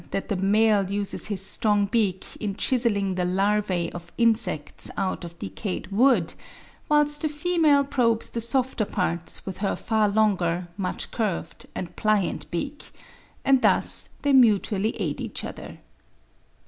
that the male uses his strong beak in chiselling the larvae of insects out of decayed wood, whilst the female probes the softer parts with her far longer, much curved and pliant beak: and thus they mutually aid each other.